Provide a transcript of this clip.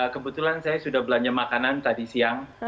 kebetulan saya sudah belanja makanan tadi siang